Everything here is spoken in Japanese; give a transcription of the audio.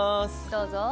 どうぞ。